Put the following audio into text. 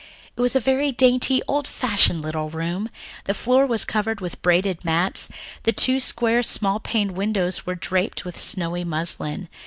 It was a very dainty, old fashioned little room. The floor was covered with braided mats; the two square, small paned windows were draped with snowy muslin.